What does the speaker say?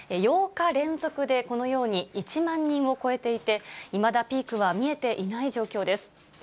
８日連続でこのように１万人を超えていて、いまだピークは見えていない状況です。